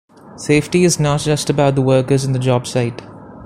Safety is not just about the workers on the job site.